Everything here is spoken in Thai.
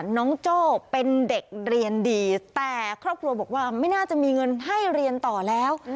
โจ้เป็นเด็กเรียนดีแต่ครอบครัวบอกว่าไม่น่าจะมีเงินให้เรียนต่อแล้ว